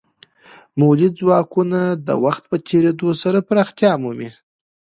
مؤلده ځواکونه د وخت په تیریدو سره پراختیا مومي.